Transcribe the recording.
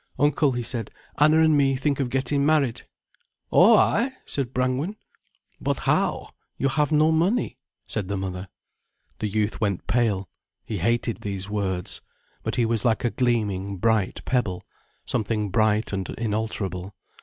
"Uncle," he said, "Anna and me think of getting married." "Oh ay!" said Brangwen. "But how, you have no money?" said the mother. The youth went pale. He hated these words. But he was like a gleaming, bright pebble, something bright and inalterable.